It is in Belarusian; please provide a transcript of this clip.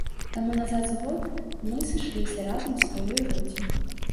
Таму назад з год мы сышліся разам у сваёй роце.